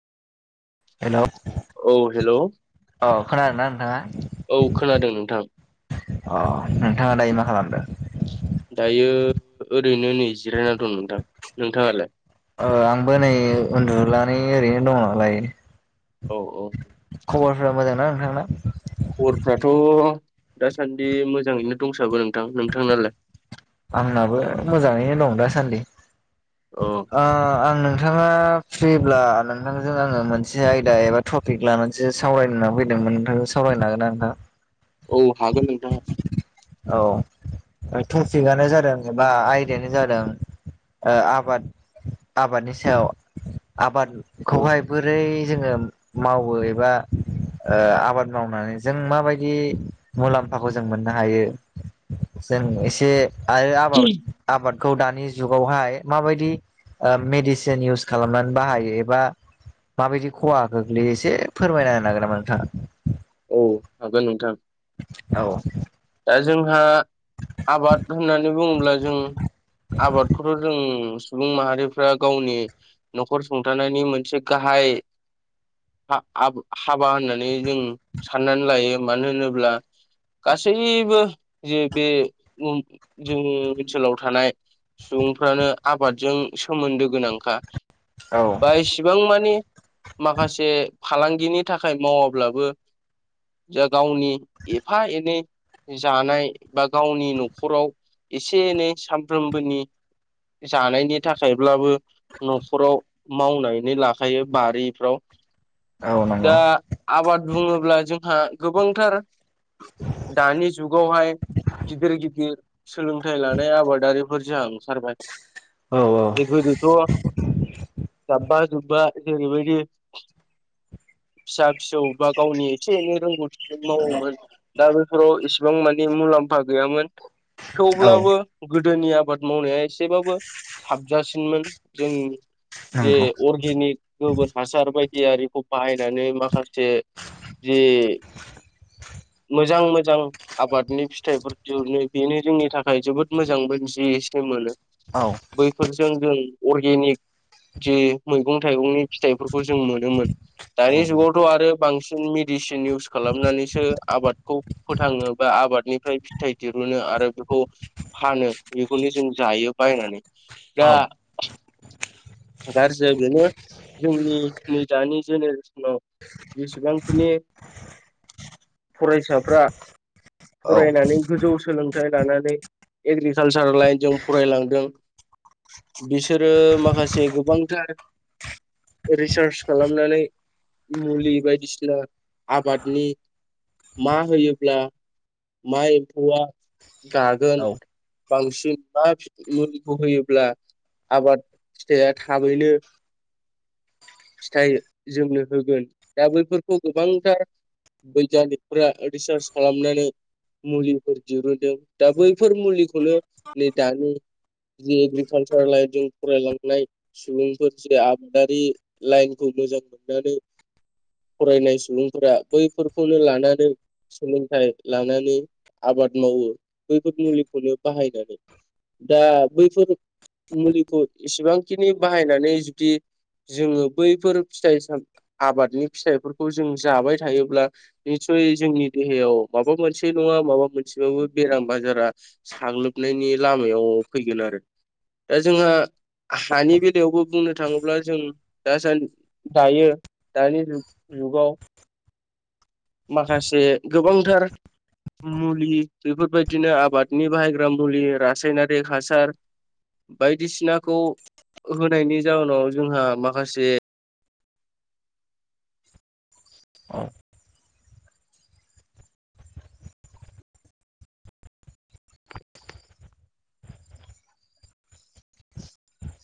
Hello औ hello औ खोनादों ना नोंथाङा? औ खोनादों नोंथां। अ नोंथाङा दायो मा खालामदों? दायो ओरैनो नै जिरायना दं। नोंथां नोंथाङालाय? आंबो नै उन्दुनानै ओरैनो दङलाय औ औ [unintelligible] खबरफ्राथ' दासान्दि मोजाङैनो दंसाबो नोंथां। नोंथांनालाय? आंनाबो मोजाङैनो दं दासान्दि अ ओ आं नोंथाङा फ्रिब्ला नोंथांजों आङो मोनसे आयदा एबा टपिक लानानैसो सावरायनो होनना फैदों। नोंथांजों सावरायनो हागोन ना नोंथां? औ हागोन नोंथां औ टपिकनो जादों एबा आयदायानो जादों ओ आबाद आबादनि सायाव औ आबादखौहाय बोरै जोङो मावो एबा ओ आबाद मावनानै जों माबायदि मुलाम्फाखौ जों मोननो हायो। जों एसे आरो आबाद आबाद खौ दानि जुगावहाय माबायदि मेडिसिन इउस खालामनानै बाहायो एबा माबायदि खहा गोख्लैयो एसे फोरमायना होनो हागोन नामा नोंथाङा? औ हागोन नोंथां औ दा जोंहा आबाद होननानै बुङोब्ला जों आबादखौथ' जों सुबुं माहारिफ्रा गावनि न'खर सुंथानायनि मोनसे गाहाय हाबा होननानै जों साननानै लायो मानो होनोब्ला। गासैबो जे बे जोंनि ओनसोलाव थानाय सुबुंफ्रानो आबादजों सोमोन्दो गोनांखा। औ बा एसेबां मानि माखासे। फालांगिनि थाखाय मावाब्लाबो जा गावनि एफा एनै जानाय बा गावनि न'खराव एसे एनै सामफ्रोमबोनि जानायनि थाखायब्लाबो न'खराव मावनानै लाखायो बारिफ्राव औ नंगौ। दा आबाद बुङो जोंहा गोबांथार दानि जुगावहाय गिदिर गिदिर सोलोंथाइ लानाय आबादारिफोर जोहा ओंखारबाय औ गोदोथ' जाबा जुबा। जेरैबायदि फिसा फिसौ बा गावनि एसे एनै रोंगौथि। मावोमोन दा बेफोराव इसेबां मानि मुलाम्फा गैयामोन। औ थेवब्लाबो गोदोनि आबाद मावनाया एसेबाबो साबजासिनमोन। जों नंगौ जे अर्गेनिक गोबोर हासार बायदि। दिआरिखौ बाहायनानै माखासे जे मोजां मोजां आबादनि फिथाइफोर दिहुनो बेनो जोंनि थाखाय थाखाय जोबोद मोजांबो जि एसे मोनो औ बैफोरजों जों अर्गेनिक जे मैगं थाइगंनि। फिथाइफोरखौ जों मोनोमोन औ दानि जुगावथ' आरो बांसिन मि इउस खालामनानैसो आबाद खौ फोथाङो बा आबादनिफ्राय फिथाइ दिहुनो आरो बेखौ फानो बेखौनो जों जायो बायनानै दा औ गाज्रि बेनो जोंनि नै दानि जेनेरेसन आव जेसेबांखिनि फरायसाफ्रा फरायनानै गोजौ सोलों थाइ लानानै एग्रिकालसार लाइनजों फरायलांदों बिसोरो माखासे गोबांथार रिसार्च खालामनानै मुलि बायदिसिना। आबादनि मा होयोब्ला मा एम्फौआ गागोन औ बांसिन मा मुलिखौ होयोब्ला आबाद फिथाइया थाबैनो फिथाइ जोमनो होगोन दा बैफोरखौ गोबांथार बैगानिकफोरा रिसार्च खालामनानै। मुलिफोर दिहुनदों दा बैफोर मुलिखौनो नै दानि। एग्रिकालसार लाइनजों फरायलांनाय सुबुंफोर जे आबादारि लाइनखौ। मोजां मोननानै [inaudible] फरायनाय सुबुंफोरा बैफोरखौनो लानानै। सोलोंथाइ लानानै आबाद मावो बैफोर मुलिखौनो बाहायनानै। दा बैफोर मुलिखौ एसेबांखिनि बाहायनानै जुदि जोङो बैफोर फिथाइ साम आबादनि फिथाइफोरखौ जों जाबाय थायोब्ला निसय जोंनि देहायाव माबा मोनसे नङा माबा मोनसे। एसेबाबो बेराम बाजारा साग्लोबनायनि लामायाव फैगोन आरो। दा जोंहा हानि बेलायावबो बुंनो थाङोब्ला जों दा दायो दानि जुग जुगाव माखासे गोबांथार मुलि बेफोरबायदिनो आबादनि बाहायग्रा मुलि रासायनारि हासार बायदिसिनाखौ होनायनि जाउनाव जोंहा माखासे [inaudible]